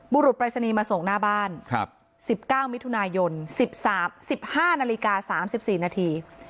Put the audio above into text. บุรุษปรายศนีย์มาส่งหน้าบ้าน๑๙มิถุนายน๑๕นาฬิกา๓๔นาที